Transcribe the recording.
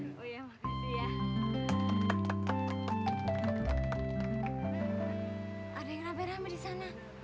ada yang ramai ramai disana